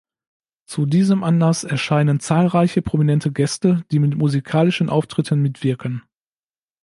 Zu diesem Anlass erscheinen zahlreiche prominente Gäste, die mit musikalischen Auftritten mitwirken.